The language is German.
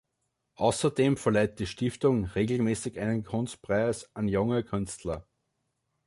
Außerdem verleiht die Stiftung regelmäßig einen Kunstpreis an junge Künstler.